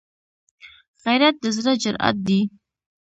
غیرت د زړه جرأت دی